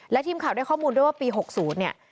และทีมข่าวได้ข้อมูลด้วยว่าปี๖๐เนี่ย